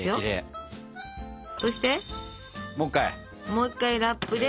もう一回ラップで。